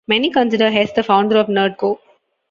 Many consider Hess the founder of Nerdcore.